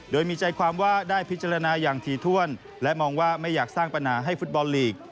โดยมีใจความว่าได้พิจารณาอย่างถี่ถ้วนและมองว่าไม่อยากสร้างปัญหาให้ฟุตบอลลีก